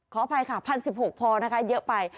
ขออภัยค่ะ๑๐๑๖พอนะคะเยอะไป